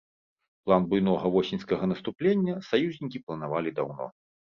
План буйнога восеньскага наступлення саюзнікі планавалі даўно.